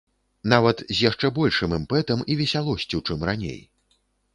Нават з яшчэ большым імпэтам і весялосцю, чым раней.